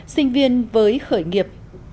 sinh viên với khởi nghiệp